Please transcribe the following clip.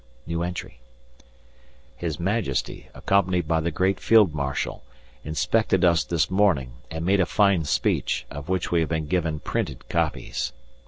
His Majesty, accompanied by the great Field Marshal, inspected us this morning, and made a fine speech, of which we have been given printed copies.